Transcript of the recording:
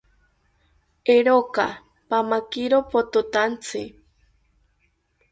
Eeroka, pamakiro pothotaantzi